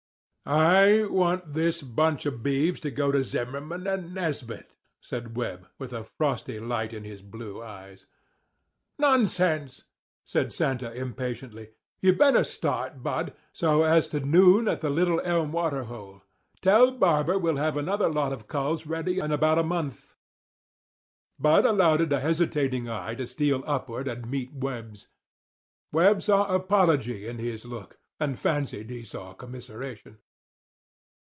"I want this bunch of beeves to go to Zimmerman and Nesbit," said Webb, with a frosty light in his blue eyes. "Nonsense," said Santa impatiently. "You'd better start on, Bud, so as to noon at the Little Elm water hole. Tell Barber we'll have another lot of culls ready in about a month." Bud allowed a hesitating eye to steal upward and meet Webb's. Webb saw apology in his look, and fancied he saw commiseration.